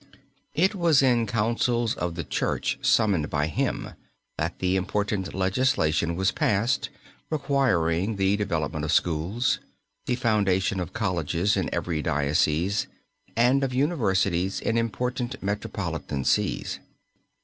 It was in Councils of the Church summoned by him that the important legislation was passed requiring the development of schools, the foundation of colleges in every diocese and of universities in important metropolitan sees.